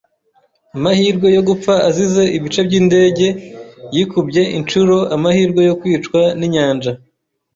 Amahirwe yo gupfa azize ibice byindege yikubye inshuro amahirwe yo kwicwa ninyanja.